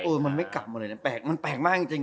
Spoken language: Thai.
เออมันไม่กลับมาเลยมันแปลกมากจริง